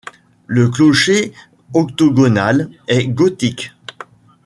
Le clocher octogonal est gothique.